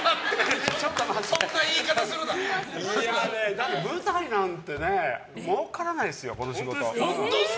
だって舞台なんて儲からないですよ。